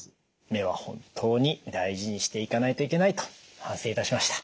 目は本当に大事にしていかないといけないと反省いたしました。